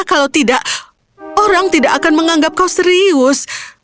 kalau tidak orang tidak akan menganggap kau serius